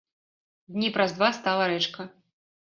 Дні праз два стала рэчка.